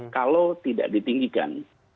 kalau tidak ditinggikan